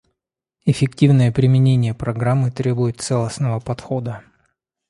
Эффективное применение Программы требует целостного подхода.